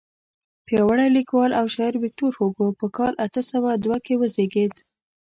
پیاوړی لیکوال او شاعر ویکتور هوګو په کال اته سوه دوه کې وزیږېد.